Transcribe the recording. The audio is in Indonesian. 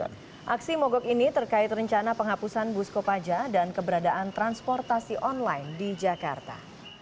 aksi mogok ini terkait rencana penghapusan bus kopaja dan keberadaan transportasi online di jakarta